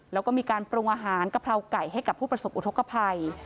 แล้วก็มีการปรุงอาหารกะเพราไก่ให้กับผู้ประสบอุทธกภัย